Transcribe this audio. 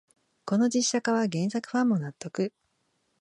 この実写化は原作ファンも納得